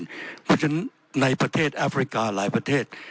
เพราะฉะนั้นในประเทศแอฟริกาหลายประเทศ